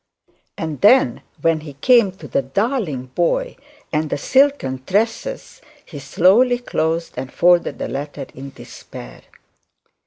And then, when he came to the 'darling boy,' and the 'silken tresses,' he slowly closed and folded the letter in despair.